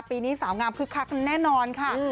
ปีนี้สาวงามคึกคักแน่นอนค่ะ